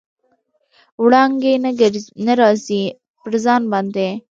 وړانګې نه راځي، پر ځان باندې